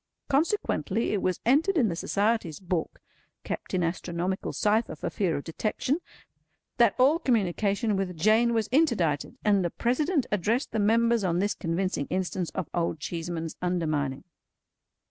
Consequently it was entered in the Society's book (kept in astronomical cypher for fear of detection), that all communication with Jane was interdicted: and the President addressed the members on this convincing instance of Old Cheeseman's undermining.